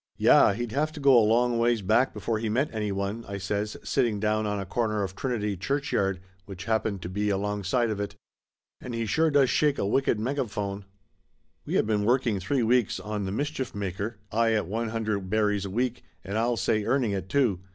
"Yeh! He'd have to go a long ways back before he met anyone," I says, sitting down on a corner of Trinity Churchyard, which happened to be alongside of it. "And, he sure does shake a wicked megaphone !" We had been working three weeks on The Mischief Maker, I at one hundred berries a week, and I'll say earning it too.